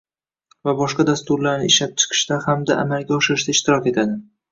va boshqa dasturlarni ishlab chiqishda hamda amalga oshirishda ishtirok etadi;